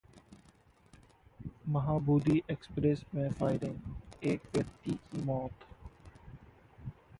Mahabodhi express में firing, एक व्यक्ति की मौत